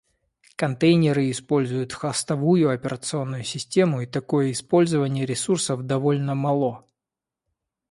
Контейнеры используют хостовую операционную систему и такое использование ресурсов довольно мало